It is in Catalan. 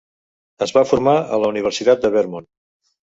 Es va formar a la Universitat de Vermont.